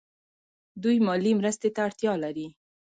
دوی مالي مرستې ته اړتیا لري.